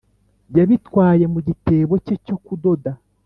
yabitwaye mu gitebo cye cyo kudoda,